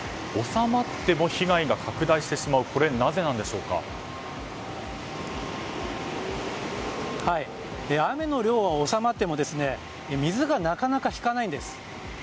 収まっても被害が拡大してしまうのは雨の量は収まっても水がなかなか引かないんです。